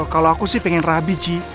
kalau aku sih pengen rabi ji